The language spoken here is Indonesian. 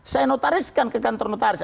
saya notariskan ke kantor notaris